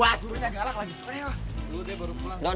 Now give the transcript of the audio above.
ayo dulu deh baru pulang